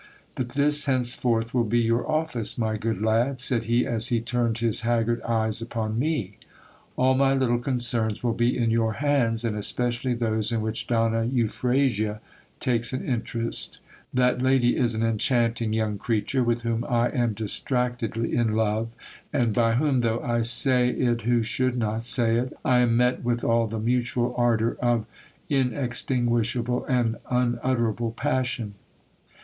But this henceforth will be your office, my good lad, said he, as he turned his haggard eyes upon me ; all my little concerns will be in your hands, and especially those in which Donna Euphrasia takes an interest. That lady is an enchanting young creature, with whom I am distractedly in love, and by whom, though I say it who should not say it, I am met with all the mutual ardour of inextinguishable and unutterable passion.